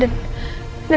dan dan dan